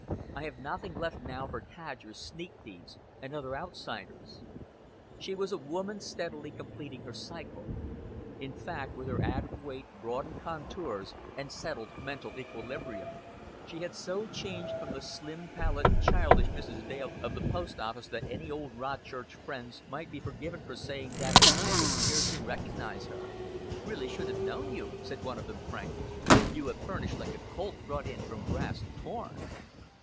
I have nothing left now for cadgers, sneak thieves, and other outsiders." She was a woman steadily completing her cycle. In fact, with her added weight, broadened contours and settled mental equilibrium, she had so changed from the slim, pallid, childish Mrs. Dale of the post office that any old Rodchurch friends might be forgiven for saying that they could scarcely recognize her. "Really shouldn't have known you," said one of them frankly. "You have furnished like a colt brought in from grass to corn."